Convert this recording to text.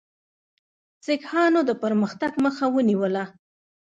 سیکهانو د پرمختګ مخه ونیوله.